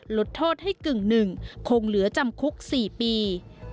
ลดโทษให้กึ่งหนึ่งคงเหลือจำคุก๔ปี